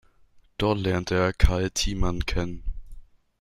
Dort lernte er Carl Thiemann kennen.